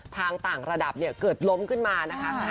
ทางต่างระดับเกิดล้มขึ้นมา